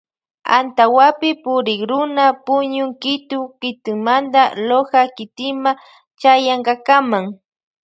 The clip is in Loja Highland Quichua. Antawapi purikruna puñun Quito kitimanta Loja kitima chayankakama.